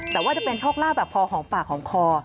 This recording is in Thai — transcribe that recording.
แต่ว่าจะเป็นโชคลาภแบบพอหอมปากหอมคอ